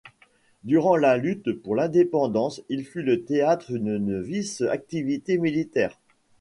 Durant la lutte pour l’indépendance, il fut le théâtre d’une vive activité militaire.